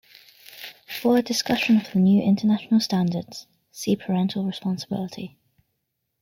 For a discussion of the new international standards, see parental responsibility.